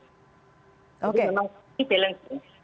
jadi memang ini balance